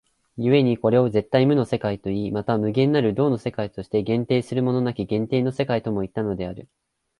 故にこれを絶対無の世界といい、また無限なる動の世界として限定するものなき限定の世界ともいったのである。